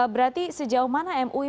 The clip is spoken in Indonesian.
berarti sejauh mana mui